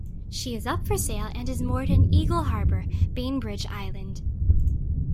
She is up for sale and is moored in Eagle Harbor, Bainbridge Island.